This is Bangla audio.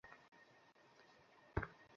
তিনি আসলে আঘাতই করেননি।